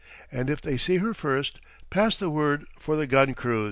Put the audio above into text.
And if they see her first pass the word for the gun crews!